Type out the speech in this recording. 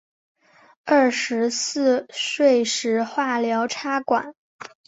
二十四岁时化疗插管